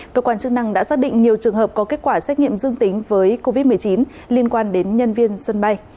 cơ quan chức năng đã xác định nhiều trường hợp có kết quả xét nghiệm dương tính với covid một mươi chín liên quan đến nhân viên sân bay